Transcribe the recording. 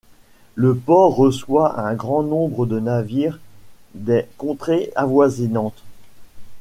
Le port reçoit un grand nombre de navires des contrées avoisinantes.